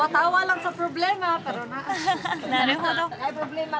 なるほど。